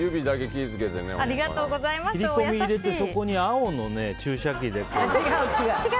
切り込みを入れてそこに青の注射器でね。